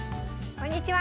こんにちは！